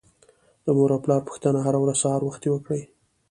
د مور او پلار پوښتنه هر ورځ سهار وختي وکړئ.